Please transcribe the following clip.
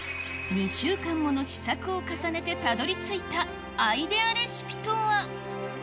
２週間もの試作を重ねてたどり着いたアイデアレシピとは？